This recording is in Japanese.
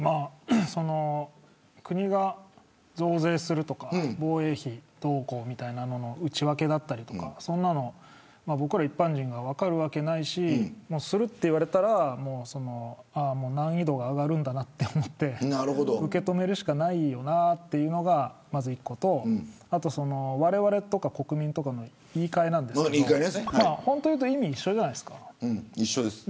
国が増税するとか防衛費どうこうみたいな内訳だったりとかそんなの僕ら一般人が分かるわけないしすると言われたら難易度が上がるんだなと思って受け止めるしかないよなっていうのがまず１個とわれわれとか国民とかの言い換えなんですけど意味は一緒じゃないですか。